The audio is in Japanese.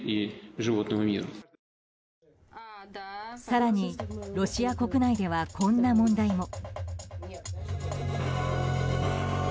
更に、ロシア国内ではこんな問題も。